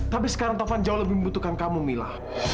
tapi sekarang taufan jauh lebih membutuhkan kamu mila